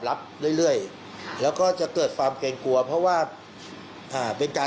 รับเรื่อยเรื่อยแล้วก็จะเกิดความเกรงกลัวเพราะว่าอ่าเป็นการ